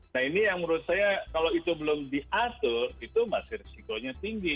nah ini yang menurut saya kalau itu belum diatur itu masih risikonya tinggi